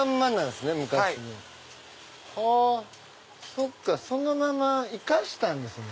そっかそのまま生かしたんですね。